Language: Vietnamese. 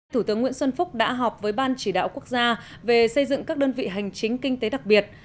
thủ tướng nguyễn xuân phúc đã họp với ban chỉ đạo quốc gia về xây dựng các đơn vị hành chính kinh tế đặc biệt